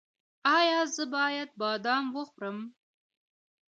ایا زه باید بادام وخورم؟